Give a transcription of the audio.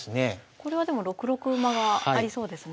これはでも６六馬がありそうですね。